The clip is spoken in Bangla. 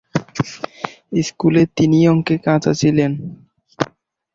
স্কুলে তিনি অঙ্কে কাঁচা ছিলেন।